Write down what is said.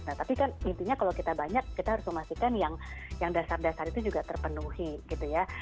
nah tapi kan intinya kalau kita banyak kita harus memastikan yang dasar dasar itu juga terpenuhi gitu ya